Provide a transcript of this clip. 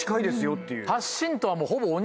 っていう。